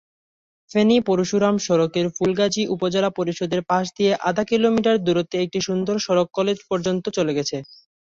ফেনী-পরশুরাম সড়কের ফুলগাজী উপজেলা পরিষদের পাশ দিয়ে আধা কিলোমিটার দূরত্বে একটি সুন্দর সড়ক কলেজ পর্যন্ত চলে গেছে।